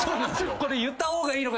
これ言った方がいいのか。